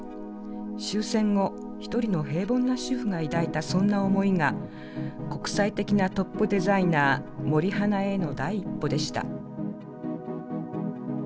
終戦後一人の平凡な主婦が抱いたそんな思いが国際的なトップデザイナー森英恵への第一歩でした。